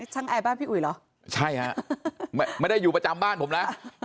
แอร์บ้านพี่อุ๋ยเหรอใช่ฮะไม่ได้อยู่ประจำบ้านผมแล้ว